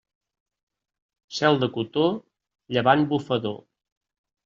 Cel de cotó, llevant bufador.